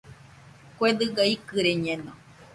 Kue dɨga ikɨriñeno.